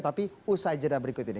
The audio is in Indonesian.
tapi usai jeda berikut ini